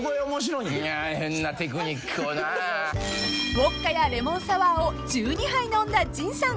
［ウオッカやレモンサワーを１２杯飲んだ陣さん］